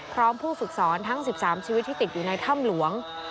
ผู้ฝึกสอนทั้ง๑๓ชีวิตที่ติดอยู่ในถ้ำหลวง